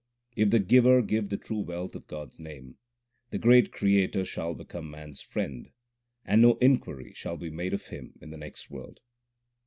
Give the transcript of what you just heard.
If the Giver give the true wealth of God s name, The great Creator shall become man s friend, and no inquiry shall be made of him in the next world.